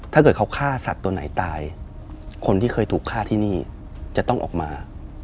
ถ้าเกิดเขาฆ่าสัตว์ตัวไหนตายคนที่เคยถูกฆ่าที่นี่จะต้องออกมา